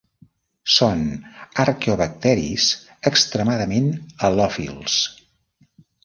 Són arqueobacteris extremadament halòfils.